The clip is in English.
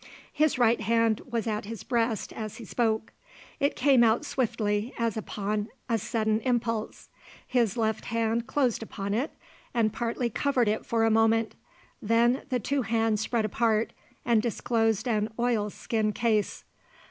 His right hand was at his breast as he spoke. It came out swiftly, as upon a sudden impulse. His left hand closed upon it and partly covered it for a moment; then the two hands spread apart and disclosed an oilskin case.